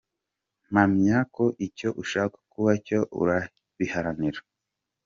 Mpamya ko icyo ushaka kuba cyo urabiharanira.